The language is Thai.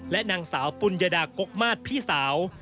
และนางสาวปุญญดากกมาศพี่สาว